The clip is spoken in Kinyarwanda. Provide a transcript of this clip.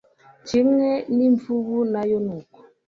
Kimwe n'imvubu nayo nuko